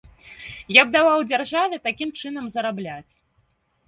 Я б даваў дзяржаве такім чынам зарабляць.